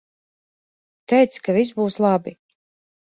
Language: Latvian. Tu teici ka viss būs labi.